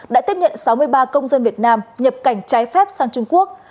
đã tiếp nhận sáu mươi ba công dân việt nam nhập cảnh trái phép sang trung quốc